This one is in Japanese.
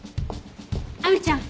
亜美ちゃん！